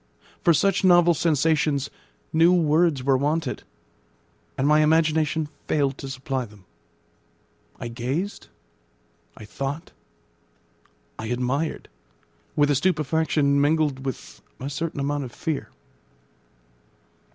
For such novel sensations, new words were wanted; and my imagination failed to supply them. I gazed, I thought, I admired, with a stupefaction mingled with a certain amount of fear.